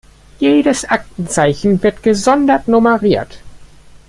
Jedes Aktenzeichen wird gesondert nummeriert.